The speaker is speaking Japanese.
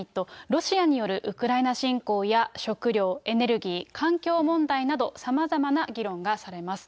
ロシアによるウクライナ侵攻や食料・エネルギー・環境問題など、さまざまな議論がされます。